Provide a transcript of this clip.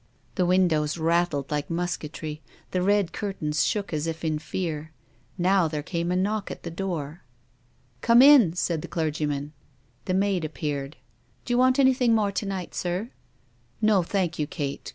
The windows rattled like musketry, the red curtains shook as if in fear. Now there came a knock at the door. " Come in," said the clergyman. The maid appeared. " Do you want anything more to night, sir? "" No, thank you, Kate.